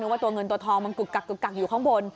ว่าตัวเงินตัวทองมันกุกกักกึกกักอยู่ข้างบน